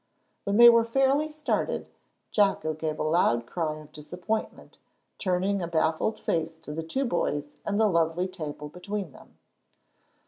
When they were fairly started Jocko gave a loud cry of disappointment, turning a baffled face to the two boys and the lovely table between them.